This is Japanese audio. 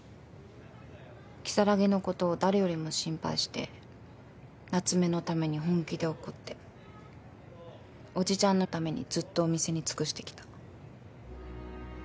如月のこと誰よりも心配して夏目のために本気で怒って叔父ちゃんのためにずっとお店に尽くしてきた。